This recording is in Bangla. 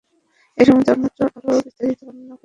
এ সম্বন্ধে অন্যত্র আরো বিস্তারিত বর্ণনা করা হবে ইনশাআল্লাহ্।